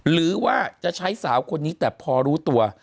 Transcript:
หรือว่าจะใช้สาวคนนี้แต่พอรู้ตัว